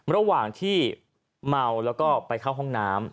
ระหว่างที่เมาแล้วก็ไปเข้าห้องน้ำ